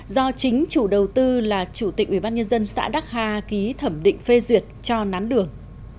do chính chủ đầu tư là chủ tịch ủy ban nhân dân xã đắc ha ký thẩm định phê duyệt cho nán đường